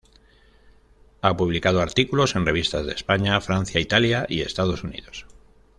Ha publicado artículos en revistas de España, Francia, Italia, y Estados Unidos.